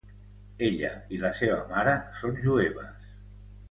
Ella i la seva mare són jueves.